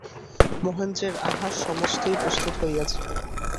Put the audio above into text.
মহেন্দ্রের আহার সমস্তই প্রস্তুত হইয়াছিল।